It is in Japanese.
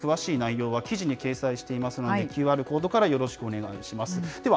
治療を受けるための詳しい内容は、記事に掲載していますので、ＱＲコードからよろしくお願いします。